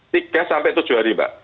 tiga sampai tujuh hari mbak